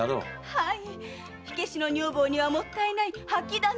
はい火消しの女房にはもったいない掃き溜めに鶴。